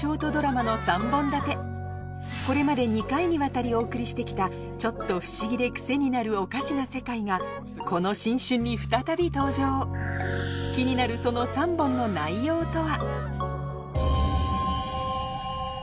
これまで２回にわたりお送りして来たちょっと不思議で癖になるおかしな世界がこの新春に再び登場気になるその３本の内容とは？